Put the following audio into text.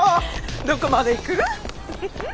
どこまで行く？